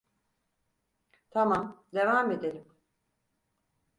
Tamam, devam edelim.